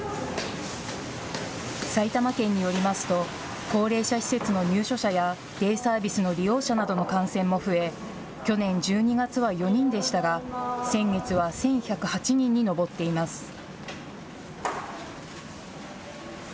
埼玉県によりますと高齢者施設の入所者やデイサービスの利用者などの感染も増え、去年１２月は４人でしたが先月は１１０８人に上っています。